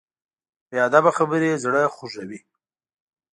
بې ادبه خبرې زړه خوږوي.